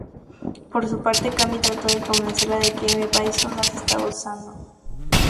Por su parte Cammy trató de convencerla de que M. Bison las estaba usando.